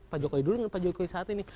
pak jokowi dulu dengan pak jokowi saat ini